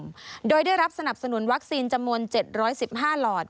ครอบครุมโดยได้รับสนับสนุนวัคซีนจำนวนเจ็ดร้อยสิบห้าหลอด